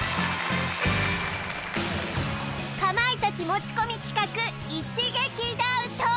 かまいたち持ち込み企画一撃ダウト！